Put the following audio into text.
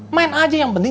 main aja yang penting